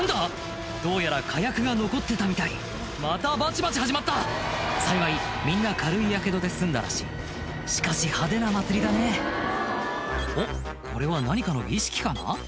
どうやら火薬が残ってたみたいまたバチバチ始まった幸いみんな軽いやけどで済んだらしいしかし派手な祭りだねおっこれは何かの儀式かな？